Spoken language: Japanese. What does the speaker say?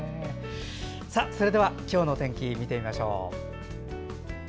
それでは、今日の天気を見てみましょう。